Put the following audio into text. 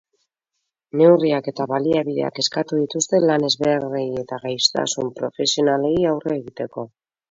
Neurriak eta baliabideak eskatu dituzte lan-ezbeharrei eta gaixotasun profesionalei aurre egiteko.